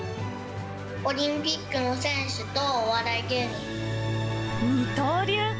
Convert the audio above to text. オリンピックの選手とお笑い芸人。